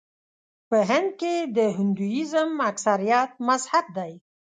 په هند کې د هندويزم اکثریت مذهب دی.